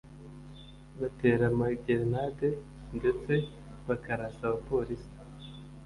batera amagerenade ndetse bakarasa abapolisi